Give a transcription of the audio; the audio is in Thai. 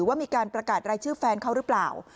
ว่ามีการประกาศรายชื่อแฟนเขาหรือเปล่า